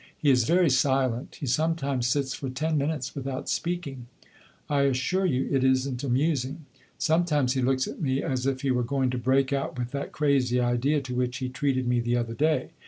He is very silent he sometimes sits for ten minutes without speaking; I assure you it is n't amusing. Sometimes he looks at me as if he were going to break out with that crazy idea to which he treated me the other day.